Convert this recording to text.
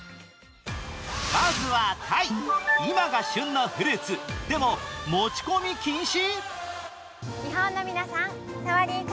まずはタイ、今が旬のフルーツ、でも持ち込み禁止？